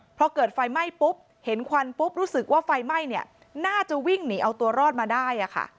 พอเกิดไฟไหม้ปุ๊บเห็นควันปุ๊บรู้สึกว่าไฟไหม้เนี่ยน่าจะวิ่งหนีเอาตัวรอดมาได้